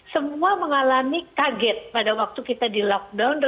semua mengalami kaget pada waktu kita di lockdown